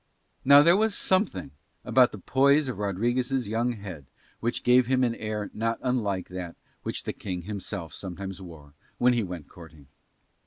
Now there was something about the poise of Rodriguez' young head which gave him an air not unlike that which the King himself sometimes wore when he went courting.